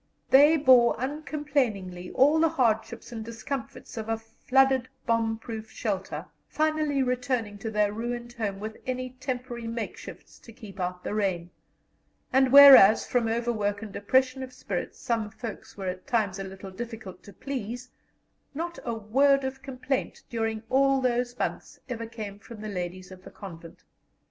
They bore uncomplainingly all the hardships and discomforts of a flooded bomb proof shelter, finally returning to their ruined home with any temporary makeshifts to keep out the rain; and whereas, from overwork and depression of spirits, some folks were at times a little difficult to please, not a word of complaint during all those months ever came from the ladies of the convent.